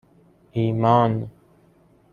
ایمان